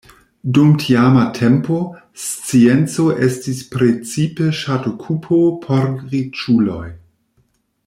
Dum tiama tempo, scienco estis precipe ŝatokupo por riĉuloj.